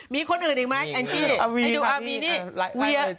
มีคนอื่นอีกไหมแองจี้ให้ดูมีนี่เวีย